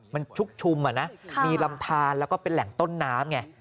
มันชุกชุมมีลำทานแล้วก็เป็นแหล่งต้นน้ำไง